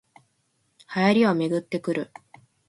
流行りはめぐってくる